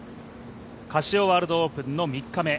カシオワールドオープンの３日目。